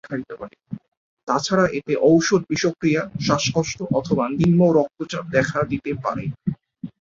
তাছাড়া এতে ঔষধ বিষক্রিয়া, শ্বাসকষ্ট অথবা নিম্ন রক্তচাপ দেখা দিতে পারে।